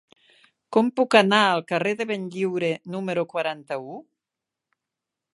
Com puc anar al carrer de Benlliure número quaranta-u?